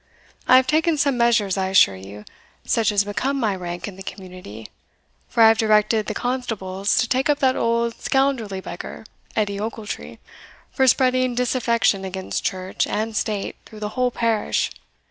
I have taken some measures, I assure you, such as become my rank in the community; for I have directed the constables to take up that old scoundrelly beggar, Edie Ochiltree, for spreading disaffection against church and state through the whole parish.